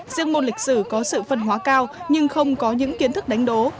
riêng môn lịch sử có sự phân hóa cao nhưng không có những kiến thức đánh đố